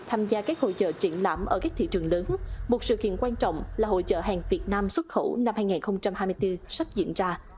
tham gia các hỗ trợ triển lãm ở các thị trường lớn một sự kiện quan trọng là hội chợ hàng việt nam xuất khẩu năm hai nghìn hai mươi bốn sắp diễn ra